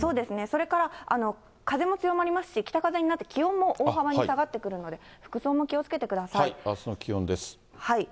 それから風も強まりますし、北風になって気温も大幅に下がってくるので、あすの気温です。